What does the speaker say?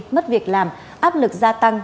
mất việc làm áp lực gia tăng